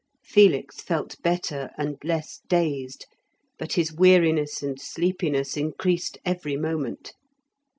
Felix felt better and less dazed, but his weariness and sleepiness increased every moment.